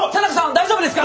大丈夫ですか！？